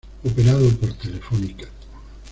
Operado por Telefónica.